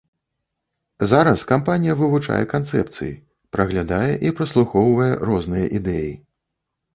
Зараз кампанія вывучае канцэпцыі, праглядае і праслухоўвае розныя ідэі.